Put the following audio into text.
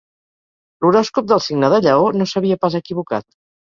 L'horòscop del signe de lleó no s'havia pas equivocat.